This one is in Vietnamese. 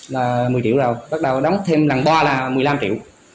là một mươi triệu rồi bắt đầu đánh thêm lần ba là một mươi năm triệu